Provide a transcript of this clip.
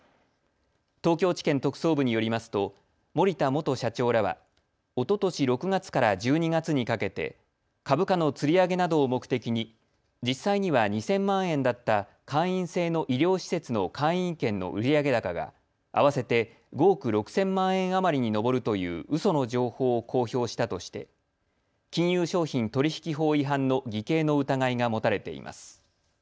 東京地検特捜部によりますと森田元社長らはおととし６月から１２月にかけて株価のつり上げなどを目的に実際には２０００万円だった会員制の医療施設の会員権の売上高が合わせて５億６０００万円余りに上るといううその情報を公表したとして金融商品取引法違反の偽計の疑いが持たれています。